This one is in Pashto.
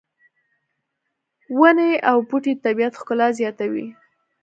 ونې او بوټي د طبیعت ښکلا زیاتوي